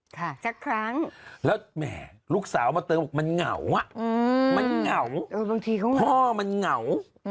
ค่ะสักครั้งแล้วแหมลูกสาวมาเติมมันเหงามันเหงาพ่อมันเหงา